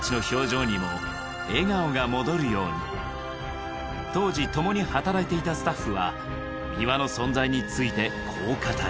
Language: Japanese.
おびえていた当時共に働いていたスタッフは三輪の存在についてこう語る